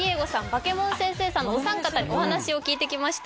バケモン先生さんのお三方にお話を聞いてきました